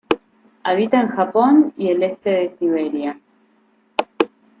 Habita en Japón y el este de Siberia.